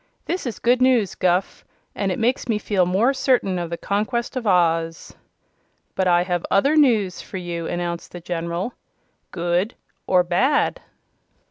"This is good news, Guph, and it makes me feel more certain of the conquest of Oz." "But I have other news for you," announced the General. "Good or bad?"